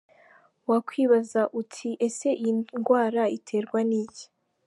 Wakwibaza uti ese iyi ndwara iterwa n’iki?.